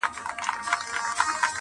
نه نه غلط سوم وطن دي چین دی!